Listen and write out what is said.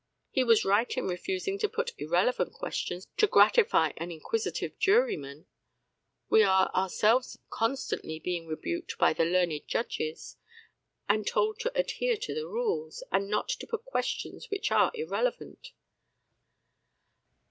He was right in refusing to put irrelevant questions to gratify an inquisitive juryman; we are ourselves constantly being rebuked by the learned judges, and told to adhere to the rules, and not to put questions which are irrelevant.